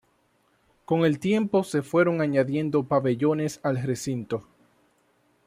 Con el tiempo se fueron añadiendo pabellones al recinto.